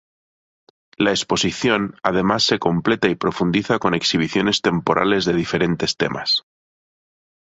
La exposición además se completa y profundiza con exhibiciones temporales de diferentes temas.